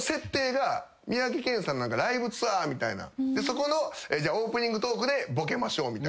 そこのオープニングトークでボケましょうみたいな。